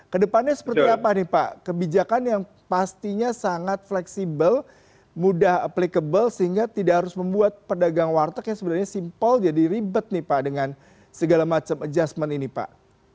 kedepannya seperti apa nih pak kebijakan yang pastinya sangat fleksibel mudah applicable sehingga tidak harus membuat pedagang warteg yang sebenarnya simpel jadi ribet nih pak dengan segala macam adjustment ini pak